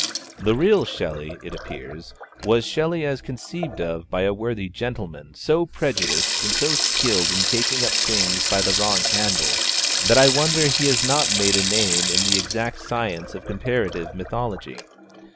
The real Shelley, it appears, was Shelley as conceived of by a worthy gentleman so prejudiced and so skilled in taking up things by the wrong handle that I wonder he has not made a name in the exact science of Comparative Mythology.